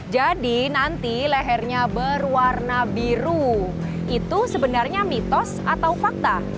jadi nanti lehernya berwarna biru itu sebenarnya mitos atau fakta